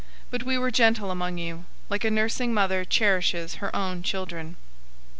002:007 But we were gentle among you, like a nursing mother cherishes her own children.